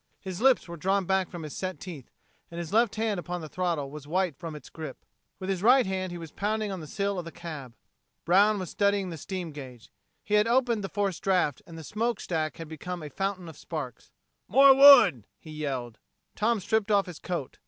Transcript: His lips were drawn back from his set teeth, and his left hand upon the throttle was white from its grip. With his right hand he was pounding upon the sill of the cab. Brown was studying the steam gauge. He had opened the forced draft and the smoke stack had become a fountain of sparks. "More wood!" he yelled. Tom stripped off his coat.